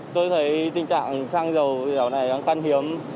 tôi thấy tình trạng xăng dầu dạo này khăn hiếm